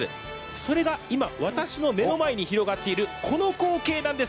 それが今、私の目の前に広がっているこの光景なんです。